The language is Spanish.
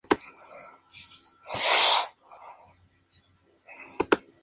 Su publicación Flora of Alberta, es una de las principales textos botánicos de Canadá.